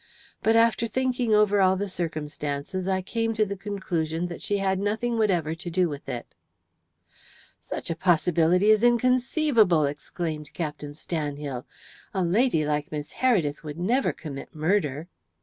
But, after thinking over all the circumstances, I came to the conclusion that she had nothing whatever to do with it." "Such a possibility is inconceivable," exclaimed Captain Stanhill. "A lady like Miss Heredith would never commit murder."